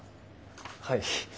はい。